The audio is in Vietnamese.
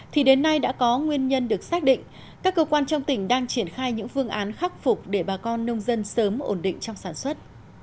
thì đến nay đã có nguyên nhân được xác định các cơ quan trong tỉnh đang triển khai những phương án khắc phục để bà con nông dân sớm ổn định trong sản xuất